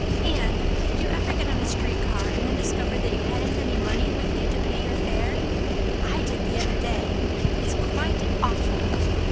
"Anne, did you ever get on a street car and then discover that you hadn't any money with you to pay your fare? I did, the other day. It's quite awful.